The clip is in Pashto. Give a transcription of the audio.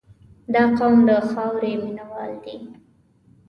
• دا قوم د خاورې مینه وال دي.